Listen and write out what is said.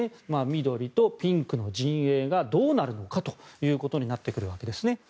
緑とピンクの陣営がどうなるのかということになってくるわけです。